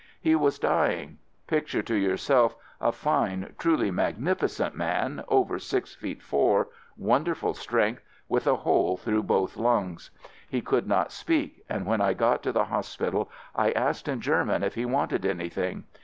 He was dying. Picture to your self a fine, truly magnificent man, — over six feet four — wonderful strength, — with a hole through both lungs. He 56 AMERICAN AMBULANCE could not speak, and when I got to the hospital, I asked in German if he wanted anything.